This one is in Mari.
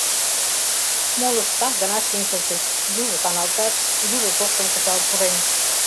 Молышт так гына шинчылтыч, южо каналташ, южо шокшым кычал пурен.